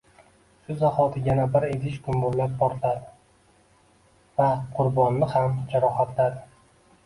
Shu zahoti yana bir idish gumburlab portladi va Qurbonni ham jarohatladi